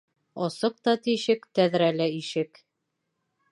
Асыҡ та тишек, тәҙрә лә ишек.